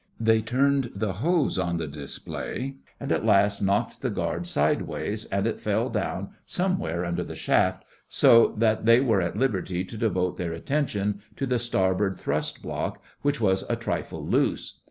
They turned the hose on the display, and at last knocked the guard sideways, and it fell down somewhere under the shaft, so that they were at liberty to devote their attention to the starboard thrust block, which was a trifle loose.